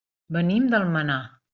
Venim d'Almenar.